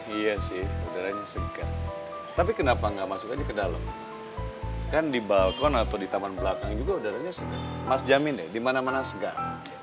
iya sih udaranya segar tapi kenapa nggak masuk aja ke dalam kan di balkon atau di taman belakang juga udaranya mas jamin ya di mana mana segar